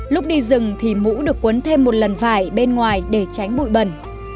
lúc đi rừng thì mũ được cuốn thêm một lần vải bên ngoài để tránh bụi bẩn